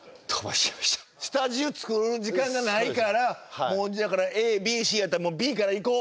下地を作る時間がないからもうだからＡＢＣやったらＢから行こう。